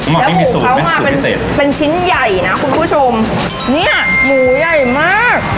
แล้วหมูเขามาเป็นเป็นชิ้นใหญ่นะคุณผู้ชมเนี้ยหมูใหญ่มาก